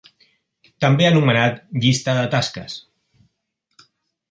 També anomenat Llista de Tasques.